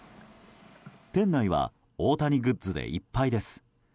店内は大谷グッズでいっぱいです。